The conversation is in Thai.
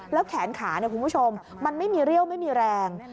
แขนขาคุณผู้ชมมันไม่มีเรี่ยวไม่มีแรง